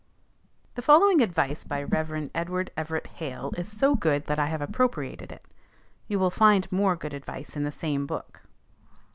The following advice by Rev. Edward Everett Hale is so good that I have appropriated it. You will find more good advice in the same book.